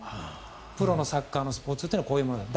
プロのサッカーのスポーツはこういうものだと。